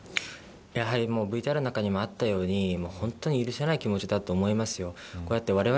やはりＶＴＲの中にもあったように、本当に許せない気持ちだと思いますよ。